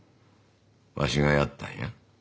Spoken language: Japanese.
わしがやったんや。